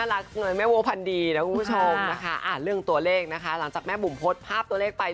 อายุก็เยอะขึ้นเรื่อยแล้วน่ะ